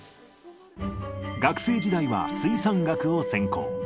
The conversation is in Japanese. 学生時代は水産学を専攻。